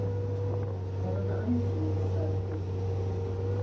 Orada annesine tesadüf ettik.